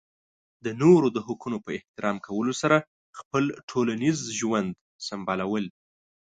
د نورو د حقونو په احترام کولو سره خپل ټولنیز ژوند سمبالول.